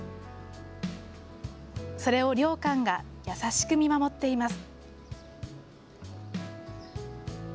それを良寛が優しく見守っています。